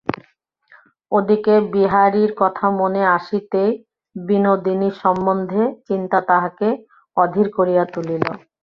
ও দিকে বিহারীর কথা মনে আসিতেই বিনোদিনী সম্বন্ধে চিন্তা তাহাকে অধীর করিয়া তুলিল।